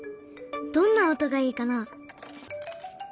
どんな音がいいかな？